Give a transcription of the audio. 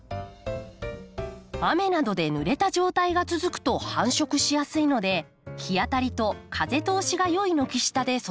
雨などでぬれた状態が続くと繁殖しやすいので日当たりと風通しが良い軒下で育てましょう。